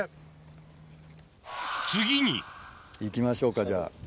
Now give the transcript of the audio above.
次に行きましょうかじゃあ。